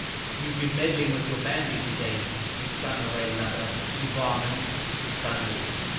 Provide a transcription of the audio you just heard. "You've been meddling with your bandage again, you son of a lubber, you varmint!" he thunders.